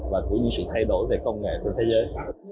và những sự thay đổi về công nghệ trên thế giới